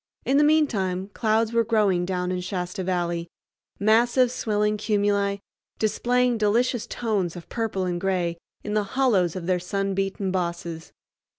In the mean time clouds were growing down in Shasta Valley—massive swelling cumuli, displaying delicious tones of purple and gray in the hollows of their sun beaten bosses.